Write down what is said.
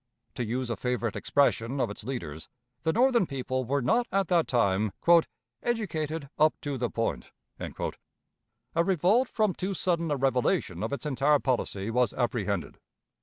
To use a favorite expression of its leaders, the Northern people were not at that time "educated up to the point." A revolt from too sudden a revelation of its entire policy was apprehended.